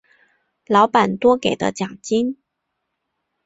老板多给的奖金